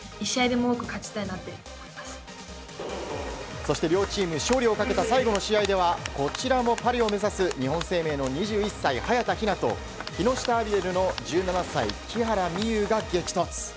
そして両チーム勝利をかけた最後の試合ではこちらもパリを目指す日本生命の２１歳早田ひなと木下アビエルの１３歳、木原美悠が激突。